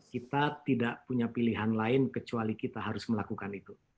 kita tidak punya pilihan lain kecuali kita harus melakukan itu